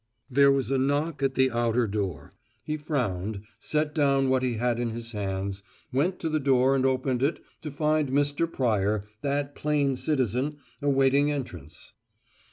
There was a knock at the outer door. He frowned, set down what he had in his hands, went to the door and opened it to find Mr. Pryor, that plain citizen, awaiting entrance.